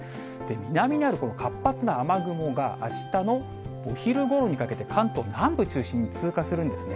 南にあるこの活発な雨雲が、あしたのお昼ごろにかけて、関東南部中心に通過するんですね。